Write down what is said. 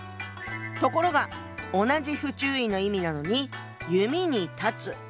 ところが同じ不注意の意味なのに「弓」に「断つ」。